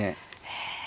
へえ。